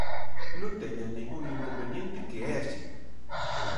Non teñan ningún inconveniente, que é así.